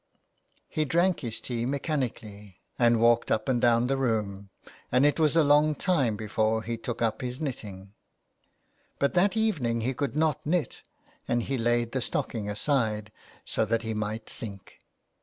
He drank his tea mechanically, and walked up and down the room, and it was a long time before he took up his knitting. But that evening he could not knit, and he laid the stocking aside so that he might think.